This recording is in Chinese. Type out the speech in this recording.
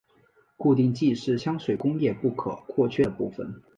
固定剂是香水工业不可或缺的部份。